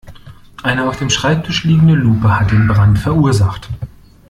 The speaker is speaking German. Eine auf dem Schreibtisch liegende Lupe hat den Brand verursacht.